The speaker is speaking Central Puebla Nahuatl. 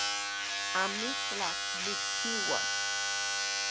Amitlaj nikchiuas